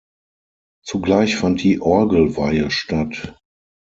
Zugleich fand die Orgelweihe statt.